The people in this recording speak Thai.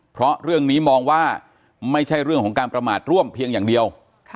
เพราะเรื่องนี้มองว่าไม่ใช่เรื่องของการประมาทร่วมเพียงอย่างเดียว